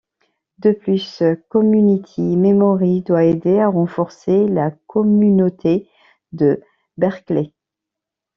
De plus, Community Memory doit aider à renforcer la communauté de Berkeley.